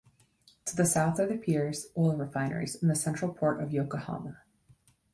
To the south are the piers, oil refineries and the central port of Yokohama.